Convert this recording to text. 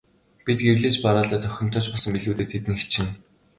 Бүр гэрлэж бараалаад охинтой ч болсон билүү дээ, тэднийх чинь.